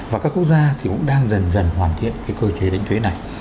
và các quốc gia thì cũng đang dần dần hoàn thiện cơ chế đánh thuế này